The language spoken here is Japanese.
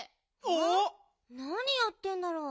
なにやってんだろう？